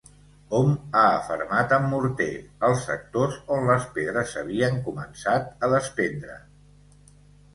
Hom ha afermat amb morter, els sectors on les pedres s'havien començat a despendre.